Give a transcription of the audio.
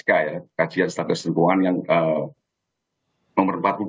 kami menerbitkan ksk ya kajian stabilitas keuangan yang nomor empat puluh dua